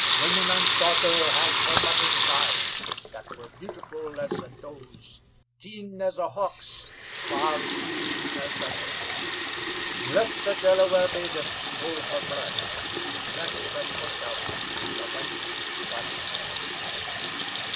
"Wingenund's daughter has her mother's eyes, that were beautiful as a doe's, keen as a hawk's, far seeing as an eagle's. Let the Delaware maiden show her blood. Let her point out the white father."